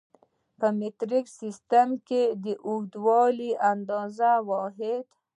په مټریک سیسټم کې د اوږدوالي د اندازې واحد